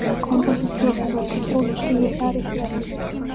კომპოზიციების ორკესტრული სტილის არის.